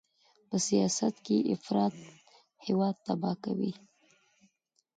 په سیاست کې افراط هېواد تباه کوي.